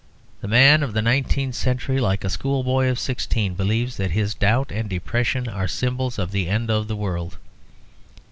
The man of the nineteenth century, like a schoolboy of sixteen, believes that his doubt and depression are symbols of the end of the world.